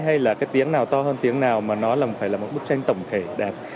hay là cái tiếng nào to hơn tiếng nào mà nó là phải là một bức tranh tổng thể đẹp